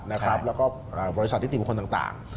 แล้วก็บริษัทนิติบุคคลต่าง